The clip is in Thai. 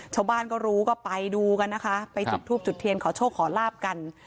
ชาวบ้านก็รู้ก็ไปดูกันนะคะไปจุดทูปจุดเทียนขอโชคขอลาบกัน